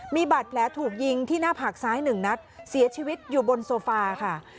มีบาดแผลถูกยิงที่หน้าผากซ้ายหนึ่งนัดเสียชีวิตอยู่บนโซฟาค่ะ